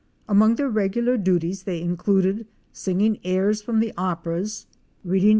Among their regular duties they included singing airs from the operas, reading 97 ZUELA.